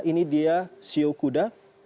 ini dia siu kuda